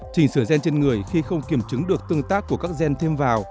chỉnh sửa gen trên người khi không kiểm chứng được tương tác của các gen thêm vào